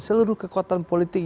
seluruh kekuatan politik